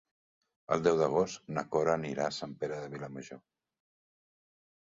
El deu d'agost na Cora anirà a Sant Pere de Vilamajor.